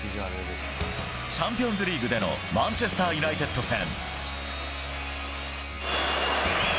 チャンピオンズリーグでのマンチェスター・ユナイテッド戦。